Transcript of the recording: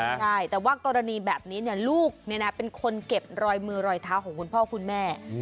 ใช่แต่ว่ากรณีแบบนี้ลูกเป็นคนเก็บรอยมือรอยเท้าของคุณพ่อคุณแม่